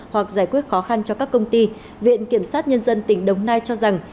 hoặc giải quyết khó khăn cho các công ty viện kiểm sát nhân dân tỉnh đồng nai cho rằng